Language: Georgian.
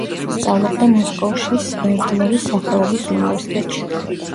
სწავლობდა მოსკოვში სვერდლოვის სახელობის უნივერსიტეტში.